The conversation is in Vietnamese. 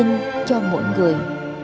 đỉnh tinh cho mọi người